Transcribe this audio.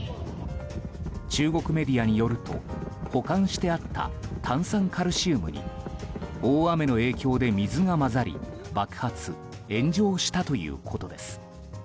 中国メディアによると保管してあった炭酸カルシウムに大雨の影響で水が混ざり爆発・炎上したということです。